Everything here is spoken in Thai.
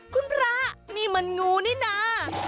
คุณพระนี่มันงูนี่นะ